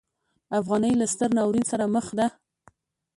افغانۍ له ستر ناورین سره مخ ده.